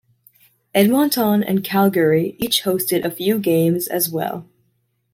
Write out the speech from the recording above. Edmonton and Calgary each hosted a few games as well.